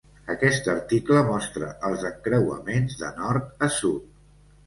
Aquest article mostra els encreuaments de nord a sud.